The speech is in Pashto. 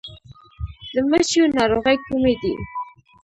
د مچیو ناروغۍ کومې دي؟